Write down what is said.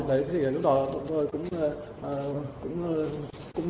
đấy thì lúc đó tôi cũng